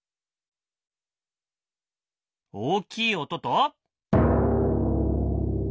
大きい音と。